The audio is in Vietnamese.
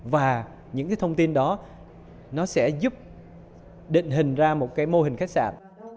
và những thông tin đó sẽ giúp định hình ra một mô hình khách sạn